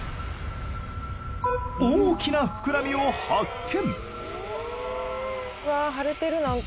大きなふくらみを発見！